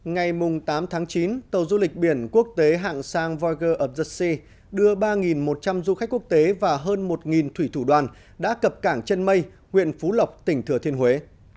ngày tám tháng chín tàu du lịch biển quốc tế hạng sang voiger opersey đưa ba một trăm linh du khách quốc tế và hơn một thủy thủ đoàn đã cập cảng chân mây huyện phú lộc tỉnh thừa thiên huế